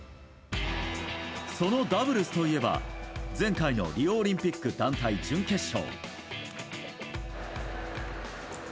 そのダブルスといえば、前回のリオオリンピック団体準決勝。